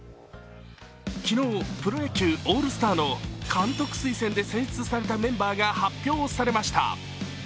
昨日、プロ野球オールスターの監督推薦で選出されたメンバーが発表されました。